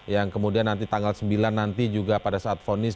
yang kemudian nanti tanggal sembilan nanti juga pada saat vonis